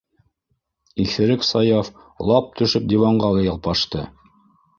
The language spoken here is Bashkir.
- Иҫерек Саяф лап төшөп диванға ялпашты.